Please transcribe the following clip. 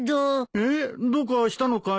えっどうかしたのかい？